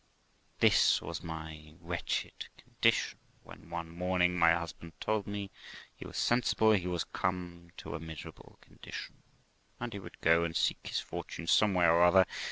THE LIFE OF ROXANA 199 This was my wretched condition, when one morning my husband told me he was sensible he was come to a miserable condition, and he would go and seek his fortune somewhere or other.